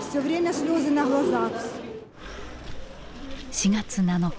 ４月７日